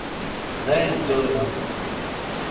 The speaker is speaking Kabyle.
Dayen tura!